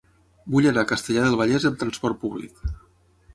Vull anar a Castellar del Vallès amb trasport públic.